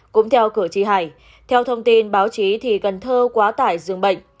cũng theo cửa chi hải theo thông tin báo chí thì gần thơ quá tải dương bệnh